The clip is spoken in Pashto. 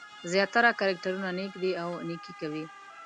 زیاتره کرکټرونه نېک دي او نېکي کوي.